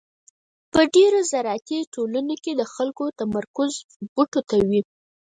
په ډېرو زراعتي ټولنو کې د خلکو تمرکز بوټو ته و.